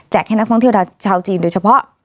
ให้นักท่องเที่ยวชาวจีนโดยเฉพาะ